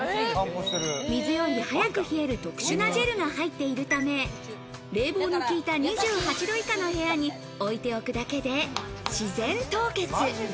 水より早く冷える特殊なジェルが入っているため、冷房の効いた２８度以下の部屋に置いておくだけで自然凍結。